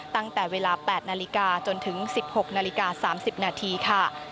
ตั้งแต่เวลา๘นาฬิกาจนถึง๑๖นาฬิกา๓๐นาทีค่ะ